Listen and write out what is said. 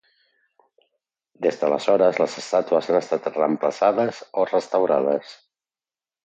Des d'aleshores les estàtues han estat reemplaçades o restaurades.